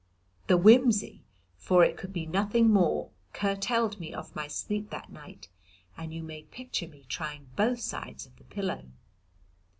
The whimsy, for it could be nothing more, curtailed me of my sleep that night, and you may picture me trying both sides of the pillow.